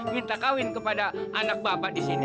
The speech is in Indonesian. minta kawin kepada anak bapak di sini